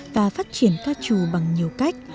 và phát triển ca trù bằng nhiều cách